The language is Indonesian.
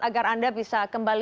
agar anda bisa mengembangkan